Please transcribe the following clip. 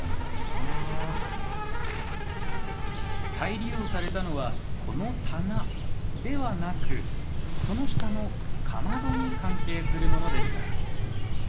再利用されたのはこの棚ではなくその下のかまどに関係するものでした。